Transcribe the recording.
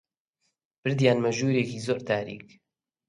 بردیانمە ژوورێکی زۆر تاریک